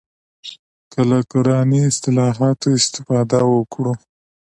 که له قراني اصطلاحاتو استفاده وکړو.